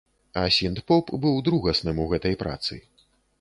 А сінт-поп быў другасным у гэтай працы.